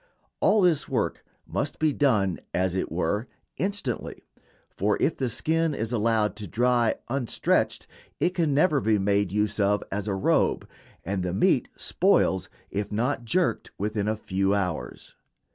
All this work must be done, as it were, instantly, for if the skin is allowed to dry unstretched it can never be made use of as a robe, and the meat spoils if not "jerked" within a few hours.